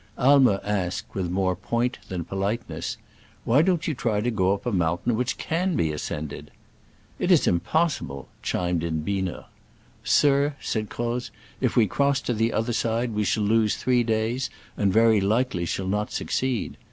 Aimer asked, with more point than politeness, " Why don't ^''.^' MT TBKT BBARER— THB HUNCHBACK. you try to go up a mountain which can be ascended ?"*' It is impossible," chimed in Biener. "Sir," said Croz, "if we cross to the other side we shall lose three days, and very likely shall not succeed.